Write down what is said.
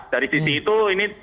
dari sisi itu ini